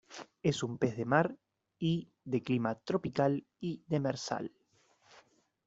Es un pez de mar y, de clima tropical y demersal.